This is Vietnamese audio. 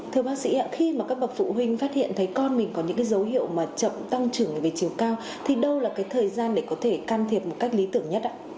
thưa bác sĩ ạ khi mà các bậc phụ huynh phát hiện thấy con mình có những dấu hiệu mà chậm tăng trưởng về chiều cao thì đâu là cái thời gian để có thể can thiệp một cách lý tưởng nhất ạ